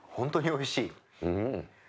おいしい！